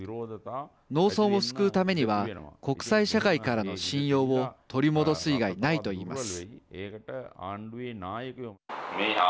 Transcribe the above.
農村を救うためには国際社会からの信用を取り戻す以外ないといいます。